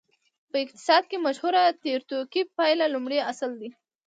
په اقتصاد کې مشهوره تیوریکي پایله لومړی اصل دی.